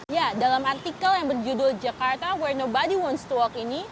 ya dalam artikel yang berjudul jakarta where nobody wants to walk ini